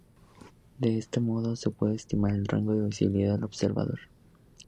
De este modo se puede estimar el rango de visibilidad del observador.